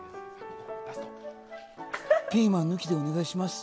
ピーマン抜きでお願いします。